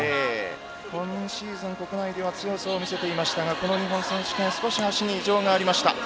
今シーズン国内では強さを見せていましたが少し足に不調がありました。